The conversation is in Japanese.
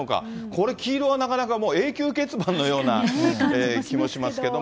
これ、黄色はなかなか、永久欠番のような気もしますけども。